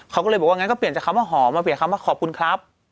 เขาก็เลยบอกว่างั้นก็เปลี่ยนจากคำว่าหอมมาเปลี่ยนคำว่าขอบคุณครับ